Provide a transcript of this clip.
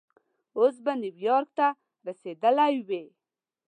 اوس به نیویارک ته رسېدلی وې.